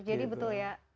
jadi betul ya